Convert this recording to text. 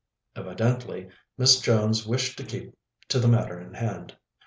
Evidently Miss Jones wished to keep to the matter in hand.